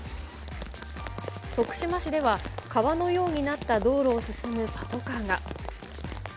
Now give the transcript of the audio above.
徳島市では、川のようになった道路を進むパトカーが。